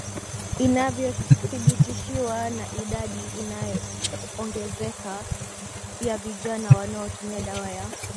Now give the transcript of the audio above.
inavyothibitishwa na idadi inayoongezeka ya vijana wanaotumia dawa ya